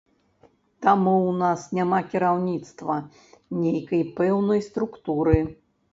Таму ў нас няма кіраўніцтва, нейкай пэўнай структуры.